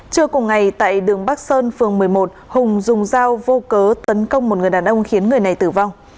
trưa cùng ngày tại đường bắc sơn phường một mươi một hùng dùng dao vô cớ tấn công một người đàn ông khiến người này tử vong